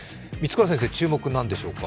注目なんでしょうか？